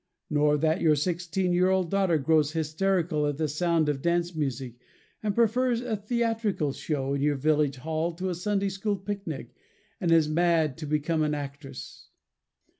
Nor that your sixteen year old daughter grows hysterical at the sound of dance music, and prefers a theatrical show in your village hall to a Sunday school picnic, and is mad to become an actress.